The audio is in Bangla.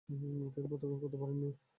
তিনি প্রত্যাখ্যান করেতে পারেন নি।